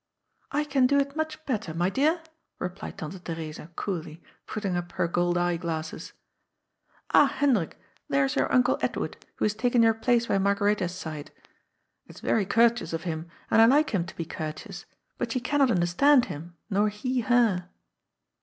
" I can do it mncli better, my dear," replied Tante The resa coolly, putting up her gold eye glasses. —^*' Ah, Hendrik, there is your uncle Edward, who has taken your place by Margaretha's side. It is very courteous of him, and^I like him to be courteous, but she cannot understand him, nor he her."